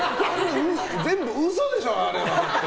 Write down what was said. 全部嘘でしょ、あれは。